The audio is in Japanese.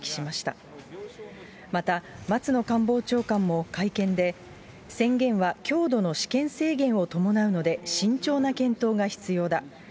また、松野官房長官も会見で、宣言は強度の私権制限を伴うので慎重な検討が必要だ。